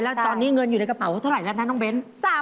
แล้วตอนนี้เงินอยู่ในกระเป๋าเท่าไหร่แล้วนะน้องเบ้น